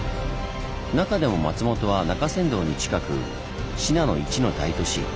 中でも松本は中山道に近く信濃一の大都市。